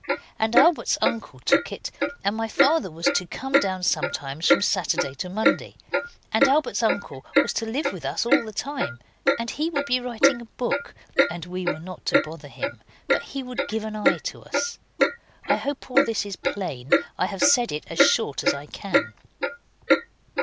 And Albert's uncle took it, and my father was to come down sometimes from Saturday to Monday, and Albert's uncle was to live with us all the time, and he would be writing a book, and we were not to bother him, but he would give an eye to us. I hope all this is plain. I have said it as short as I can.